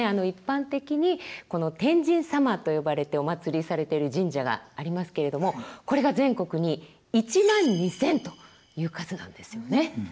一般的に「天神様」と呼ばれてお祀りされている神社がありますけれどもこれが全国に１万２，０００という数なんですよね。